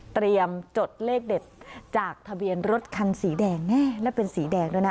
จดเลขเด็ดจากทะเบียนรถคันสีแดงแน่แล้วเป็นสีแดงด้วยนะ